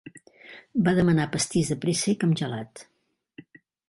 Va demanar pastís de préssec amb gelat.